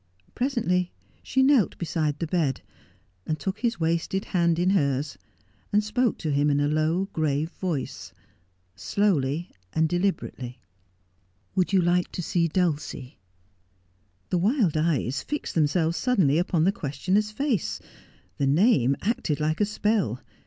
Presently she knelt beside the bed, and took his wasted hand in hers, and spoke to him in a low, grave voice, slowly and deliberately. ' Would you like to 'see Dulcie 1 ' The wild eyes fixed themselves suddenly upon the ques tioner's face. The name acted like a spell.